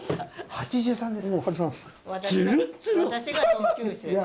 ８３です。